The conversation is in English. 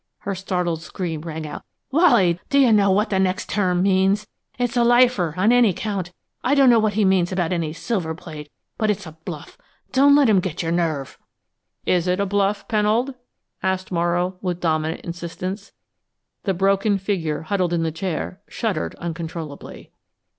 her startled scream rang out. "Wally, d'you know what the next term means? It's a lifer, on any count! I don't know what he means about any silver plate, but it's a bluff! Don't let him get your nerve!" "Is it a bluff, Pennold?" asked Morrow, with dominant insistence. The broken figure huddled in the chair shuddered uncontrollably.